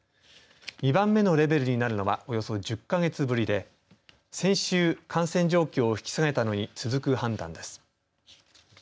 ２番目のレベルになるのはおよそ１０か月ぶりで先週、感染状況を引き下げたのに続く判断です。